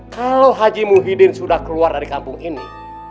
kalau haji muhyiddin sudah keluar dari kampung ini